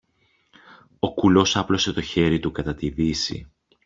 Ο κουλός άπλωσε το χέρι του κατά τη δύση.